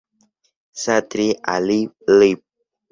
Satriani Live!